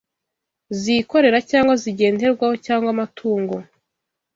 zikorera cyangwa zigenderwaho, cyangwa amatungo